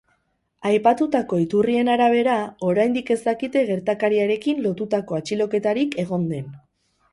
Aipatutako iturrien arabera, oraindik ez dakite gertakariarekin lotutako atxiloketarik egon den.